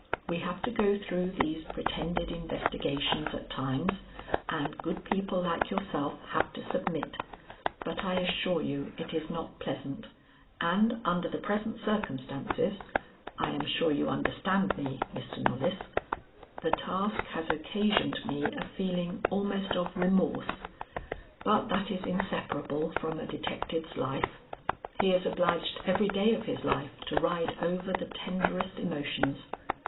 We have to go through these pretended investigations at times, and good people like yourself have to submit; but I assure you it is not pleasant, and under the present circumstances I am sure you understand me, Mr. Knollys the task has occasioned me a feeling almost of remorse; but that is inseparable from a detective's life. He is obliged every day of his life to ride over the tenderest emotions.